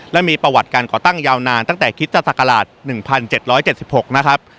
และมีประวัติการก่อตั้งยาวนานตั้งแต่คริสตศักราช๑๗๗๖นะครับ